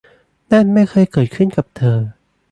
นั่นไม่เคยเกิดขึ้นกับเธอ